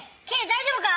大丈夫か？